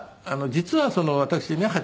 実は私ね